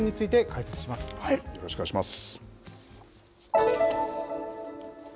よろしくお願いします。